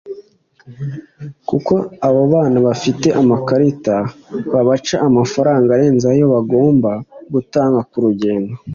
kuko abo baba bafite amakarita babaca amafaranga arenze ayo bagombaga gutanga ku rugendo